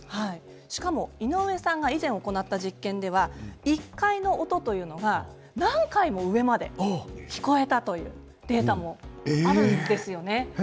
しかも井上さんが以前行った実験では、１階の音というのは何階も上まで聞こえたというデータもあるんですよね。